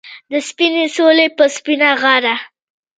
د سپینې سولې په سپینه غاړه